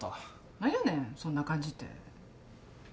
何やねんそんな感じって。